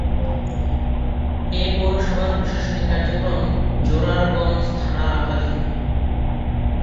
এ পৌরসভার প্রশাসনিক কার্যক্রম জোরারগঞ্জ থানার আওতাধীন।